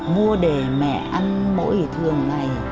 mua để mẹ ăn mỗi thường ngày